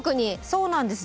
そうなんです。